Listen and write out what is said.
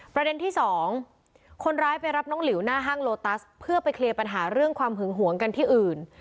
ประเด็นที่สองคนร้ายไปรับน้องหลิวหน้าห้างโลตัสเพื่อไปเคลียร์ปัญหาเรื่องความหึงหวงกันที่อื่น